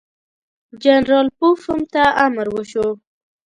جنرال پوفم ته امر وشو.